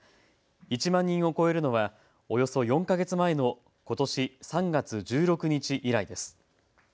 １万人を超えるのはおよそ４か月前のことし３月１６日以来です。